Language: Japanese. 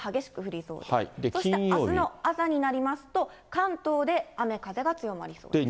あすの朝になりますと、関東で雨風が強まりそうです。